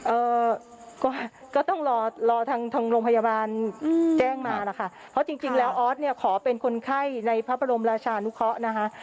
เอ่อก็ก็ต้องรอรอทางทางโรงพยาบาลอืมแจ้งมานะคะเพราะจริงจริงแล้วออสเนี่ยขอเป็นคนไข้ในพระบรมราชานุเคราะห์นะคะ